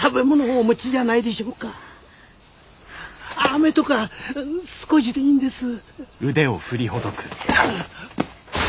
あめとか少しでいいんです。